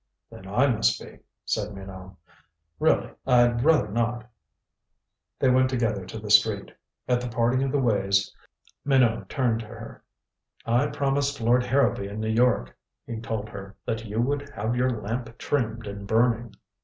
"Then I must be," said Minot. "Really I'd rather not " They went together to the street. At the parting of the ways, Minot turned to her. "I promised Lord Harrowby in New York," he told her, "that you would have your lamp trimmed and burning."